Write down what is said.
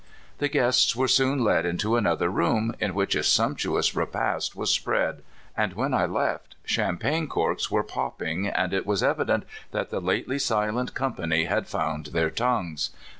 The guests were soon led into another room, in which a sumptuous repast was spread, and when I left champagne corks were popping, and it was evident that the lately silent company had found their tongues.